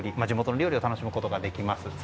地元の料理を楽しむことができます。